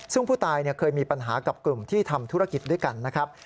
ซึ่งผู้ตายเคยมีปัญหากับกลุ่มที่ทำธุรกิจด้วยกันนะครับ